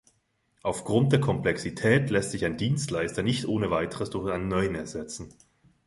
Aufgrund der Komplexität lässt sich ein Dienstleister nicht ohne Weiteres durch einen Neuen ersetzen.